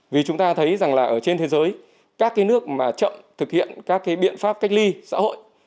vì chúng ta thấy rằng là ở trên thế giới các cái nước mà chậm thực hiện các cái biện pháp cách ly xã hội